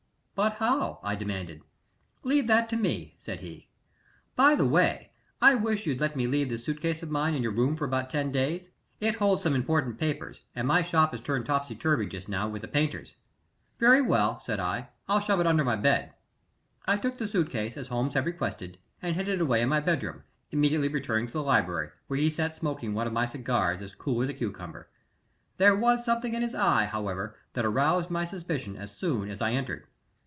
"But how?" I demanded. "Leave that to me," said he. "By the way, I wish you'd let me leave this suit case of mine in your room for about ten days. It holds some important papers, and my shop is turned topsy turvy just now with the painters." "Very well," said I. "I'll shove it under my bed." "I took the suit case as Holmes had requested, and hid it away in my bedroom, immediately returning to the library, where he sat smoking one of my cigars as cool as a cucumber. There was something in his eye, however, that aroused my suspicion as soon as I entered.